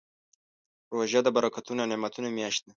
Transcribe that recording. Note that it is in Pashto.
روژه د برکتونو او نعمتونو میاشت ده.